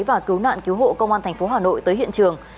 và cứu nạn cứu hộ công an tp hà nội tới hiện trường